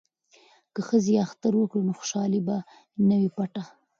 که ښځې اختر وکړي نو خوشحالي به نه وي پټه.